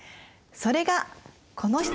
それがこの人！